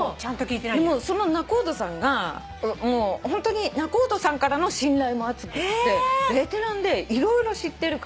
その仲人さんがホントに仲人さんからの信頼も厚くってベテランで色々知ってるから。